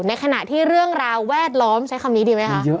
ในขณะที่เรื่องราวแวดล้อมใช้คำนี้ดีไหมคะ